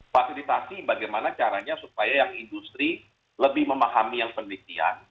fasilitasi bagaimana caranya supaya yang industri lebih memahami yang penelitian